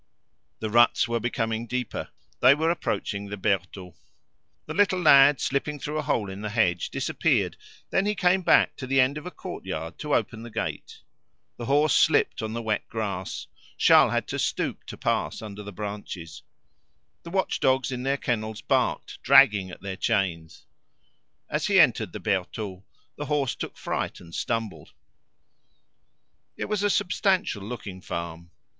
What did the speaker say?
The ruts were becoming deeper; they were approaching the Bertaux. The little lad, slipping through a hole in the hedge, disappeared; then he came back to the end of a courtyard to open the gate. The horse slipped on the wet grass; Charles had to stoop to pass under the branches. The watchdogs in their kennels barked, dragging at their chains. As he entered the Bertaux, the horse took fright and stumbled. It was a substantial looking farm.